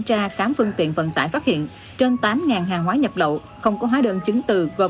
tra khám phương tiện vận tải phát hiện trên tám hàng hóa nhập lậu không có hóa đơn chứng từ gồm